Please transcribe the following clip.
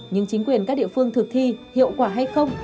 nhưng chính quyền các địa phương thực thi hiệu quả hay không